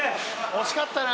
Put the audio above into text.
惜しかったな。